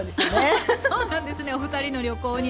そうなんですねおふたりの旅行に。